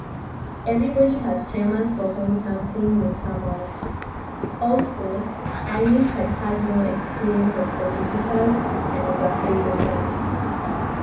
Everybody has tremors for whom something may come out. Also, Iris had had no experience of solicitors, and was afraid of them.